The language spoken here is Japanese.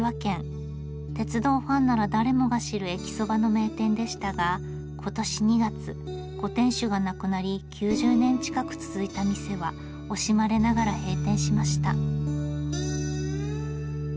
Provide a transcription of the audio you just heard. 鉄道ファンなら誰もが知る駅そばの名店でしたが今年２月ご店主が亡くなり９０年近く続いた店は惜しまれながら閉店しました。